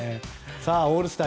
オールスター